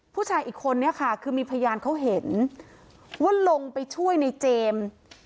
ผู้ชายคนนี้ค่ะคือมีพยานเขาเห็นว่าลงไปช่วยในเจมส์